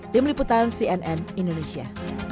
tim liputan cnn indonesia